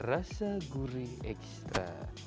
rasa gurih ekstra